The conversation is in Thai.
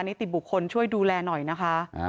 นิติบุคคลช่วยดูแลหน่อยนะคะ